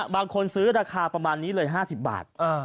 บางคนซื้อราคาประมาณนี้เลย๕๐บาท